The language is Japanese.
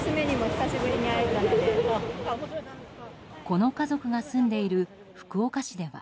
この家族が住んでいる福岡市では。